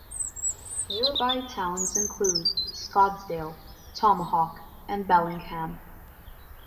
Nearby towns include Scottsdale, Tomahawk and Bellingham.